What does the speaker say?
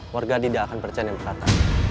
warga tidak akan percaya dengan kata